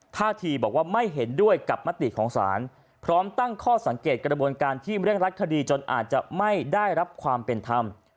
ท่าทีบอกว่าไม่เห็นด้วยกับมติของศาลพร้อมตั้งข้อสังเกตกระบวนการที่เร่งรัดคดีจนอาจจะไม่ได้รับความเป็นธรรม